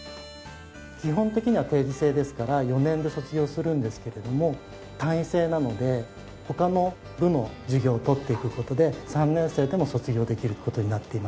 基本的には定時制ですから４年で卒業するんですけれども単位制なので他の部の授業を取っていく事で３年生でも卒業できる事になっています。